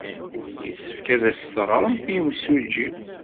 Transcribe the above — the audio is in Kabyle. Yessefk ad as-d-teɣremt i yemsujji.